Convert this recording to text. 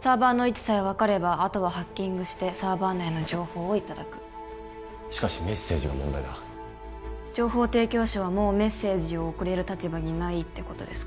サーバーの位置さえ分かればあとはハッキングしてサーバー内の情報をいただくしかしメッセージが問題だ情報提供者はもうメッセージを送れる立場にないってことですか？